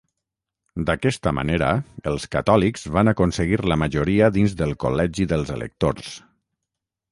D'aquesta manera, els catòlics van aconseguir la majoria dins del col·legi dels electors.